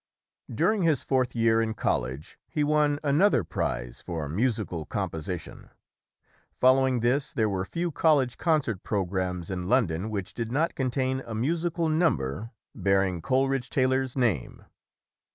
During his fourth year in college, he won an other prize for musical composition. Following 138 ] UNSUNG HEROES this, there were few college concert programs in London which did not contain a musical number bearing Coleridge Taylor's name.